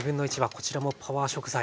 こちらもパワー食材。